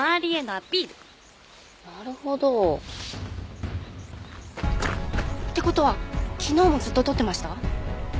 なるほど。って事は昨日もずっと撮ってました？